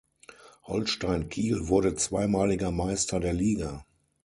Holstein Kiel wurde zweimaliger Meister der Liga.